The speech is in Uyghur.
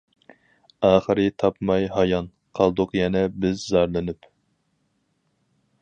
ئاخىرى تاپماي ھايان، قالدۇق يەنە بىز زارلىنىپ!